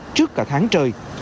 trước cả tháng trời